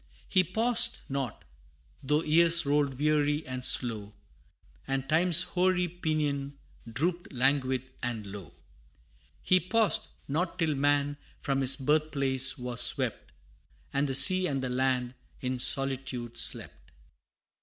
He paused not, though years rolled weary and slow, And Time's hoary pinion drooped languid and low: He paused not till Man from his birth place was swept, And the sea and the land in solitude slept.